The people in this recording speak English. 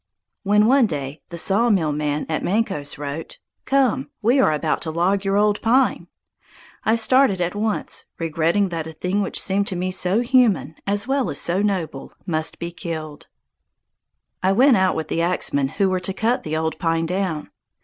When, one day, the sawmill man at Mancos wrote, "Come, we are about to log your old pine," I started at once, regretting that a thing which seemed to me so human, as well as so noble, must be killed. [Illustration: A VETERAN WESTERN YELLOW PINE] I went out with the axemen who were to cut the old pine down.